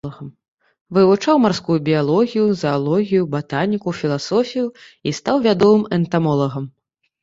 Вывучаў марскую біялогію, заалогію, батаніку, філасофію і стаў вядомым энтамолагам.